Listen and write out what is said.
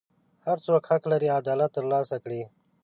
هر څوک حق لري عدالت ترلاسه کړي.